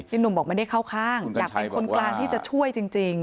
หนุ่มบอกไม่ได้เข้าข้างอยากเป็นคนกลางที่จะช่วยจริง